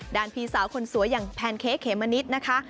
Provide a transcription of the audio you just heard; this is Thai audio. พี่สาวคนสวยอย่างแพนเค้กเขมมะนิดนะคะ